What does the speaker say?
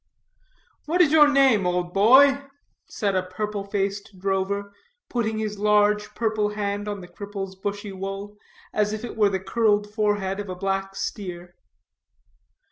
"What is your name, old boy?" said a purple faced drover, putting his large purple hand on the cripple's bushy wool, as if it were the curled forehead of a black steer.